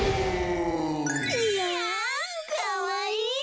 いやんかわいい！